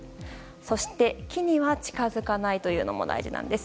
そして、木には近づかないというのも大事なんです。